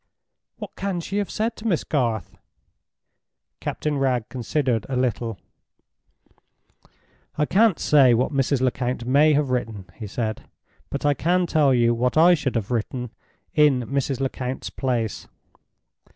"What can she have said to Miss Garth?" Captain Wragge considered a little. "I can't say what Mrs. Lecount may have written," he said, "but I can tell you what I should have written in Mrs. Lecount's place.